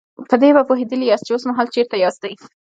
په دې به پوهېدلي ياستئ چې اوسمهال چېرته ياستئ.